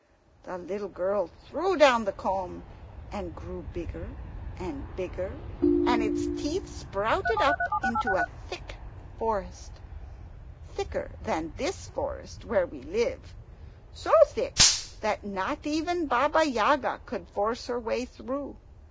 The little girl threw down the comb, and grew bigger and bigger, and its teeth sprouted up into a thick forest, thicker than this forest where we live so thick that not even Baba Yaga could force her way through.